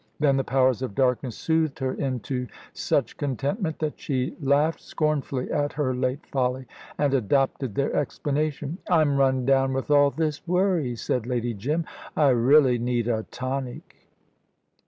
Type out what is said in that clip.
Then the powers of darkness soothed her into such contentment, that she laughed scornfully at her late folly, and adopted their explanation. "I'm run down with all this worry," said Lady Jim. "I really need a tonic."